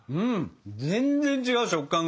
全然違う食感が。